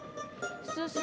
ayak udah ayak